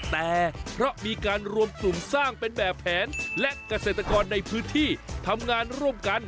แต่เพราะมีการรวมกลุ่มสร้างเป็นแบบแผนและเกษตรกรในพื้นที่ทำงานร่วมกัน